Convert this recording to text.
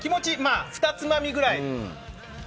あと２つまみぐらい。